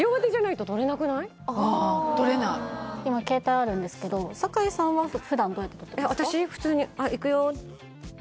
あ今携帯あるんですけど坂井さんは普段どうやって撮ってるんですか？